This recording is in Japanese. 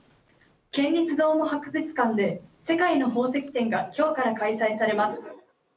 県立どーも博物館で「世界の宝石展」がきょうから開催されます。